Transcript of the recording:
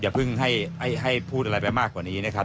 อย่าเพิ่งให้พูดอะไรไปมากกว่านี้นะครับ